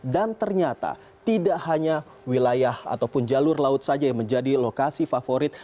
dan ternyata tidak hanya wilayah ataupun jalur laut saja yang menjadi lokasi favorit